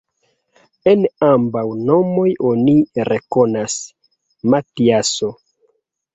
En ambaŭ nomoj oni rekonas: Matiaso.